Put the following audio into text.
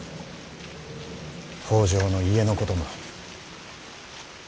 北条の家のことも。